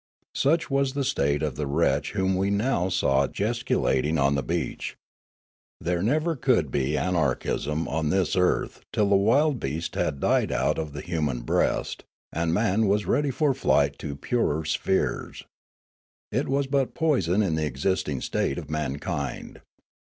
Such was the state of the wretch whom we now saw gesticulat ing on the beach. There never could be anarchism on this earth till the wild beast had died out of Noola 379 the human breast, and man was ready for flight to purer spheres. It was but poison in the existing state of mankind.